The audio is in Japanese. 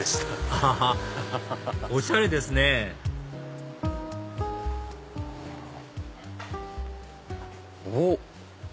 アハハおしゃれですねおっ！